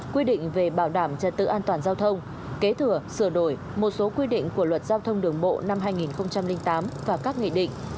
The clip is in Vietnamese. quy định về bảo đảm trật tự an toàn giao thông kế thừa sửa đổi một số quy định của luật giao thông đường bộ năm hai nghìn tám và các nghị định